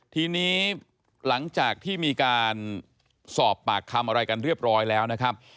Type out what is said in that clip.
ทีนี้หลังจากที่มีการสอบปากคำอะไรกันเรียบร้อยแล้วนะครับ